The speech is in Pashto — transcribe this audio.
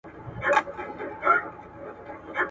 خو پښتو لا تر اوسه له دې بې برخې ده.